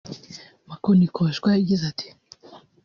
Makonikoshwa yagize ati